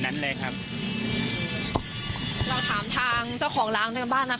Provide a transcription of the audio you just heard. นั้นเลยครับเราถามทางเจ้าของร้านในบ้านนะคะ